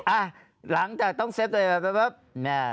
อ่ะหลังจากต้องเซฟตัวเองแว๊บ